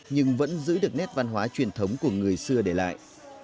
nhưng vẫn giữ được nét văn hóa truyền thống của người xưa để lại